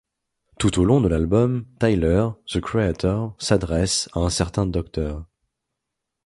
Tout au long de l'album, Tyler, The Creator s'adresse à un certain Dr.